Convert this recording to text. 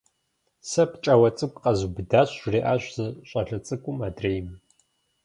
Сэ пкӏауэ цӏыкӏу къзубыдащ! – жриӏащ зы щӏалэ цӏыкӏум адрейм.